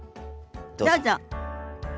どうぞ。